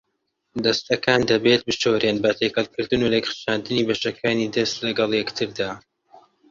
دەستەکان دەبێت بشورێن بە تێکەڵکردن و لێکخشاندنی بەشەکانی دەست لەگەڵ یەکتردا.